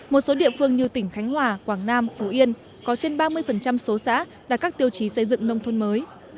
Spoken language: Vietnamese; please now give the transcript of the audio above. một số địa phương như tỉnh khánh hòa quảng nam phú yên có trên ba mươi số xã đạt các tiêu chí xây dựng nông thôn mới